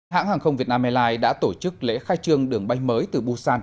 hãng hàng không việt nam airlines đã tổ chức lễ khai trương đường bay mới từ busan